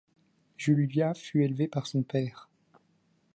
Julia fut élevée par son père.